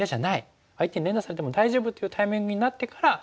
相手に連打されても大丈夫というタイミングになってから。